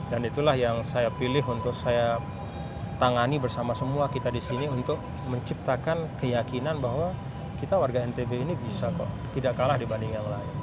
dan itulah yang saya pilih untuk saya tangani bersama semua kita di sini untuk menciptakan keyakinan bahwa kita warga ntb ini bisa kok tidak kalah dibanding yang lain